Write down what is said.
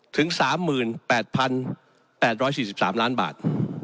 ถึง๓๘๘๔๓ล้านบาท